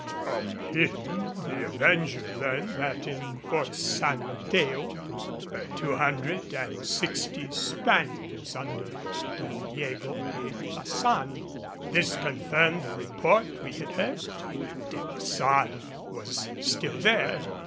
From him the Avenger learned that in Fort San Mateo were two hundred and sixty Spaniards under Don Diego de Baçan. This confirmed the report we had heard. De Baçan was still there.